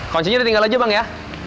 konsehnya ditinggal aja bang ya